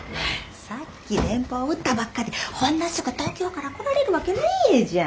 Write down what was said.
さっき電報打ったばっかでほんなすぐ東京から来られる訳ねえじゃん。